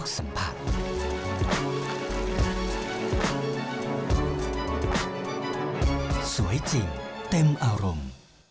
สวยจริงเต็มอารมณ์